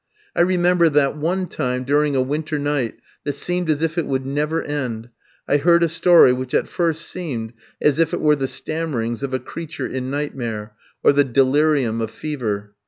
I remember that one time, during a winter night that seemed as if it would never end, I heard a story which at first seemed as if it were the stammerings of a creature in nightmare, or the delirium of fever.